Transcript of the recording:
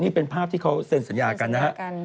นี่เป็นภาพที่เขาเซ็นสัญญากันนะฮะ